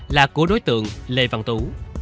là của đối tượng lê văn tú